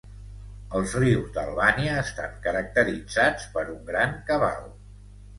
Els rius d'Albània estan caracteritzats per un gran cabal.